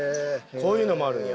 こういうのもあるんや？